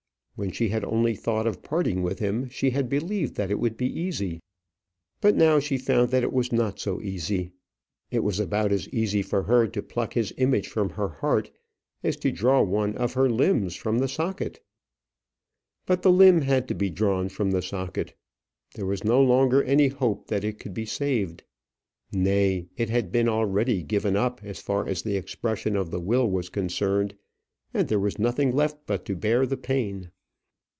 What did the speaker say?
When she had only thought of parting with him, she had believed that it would be easy. But now she found that it was not so easy. It was about as easy for her to pluck his image from her heart as to draw one of her limbs from the socket. But the limb had to be drawn from the socket. There was no longer any hope that it could be saved. Nay, it had been already given up as far as the expression of the will was concerned, and there was nothing left but to bear the pain.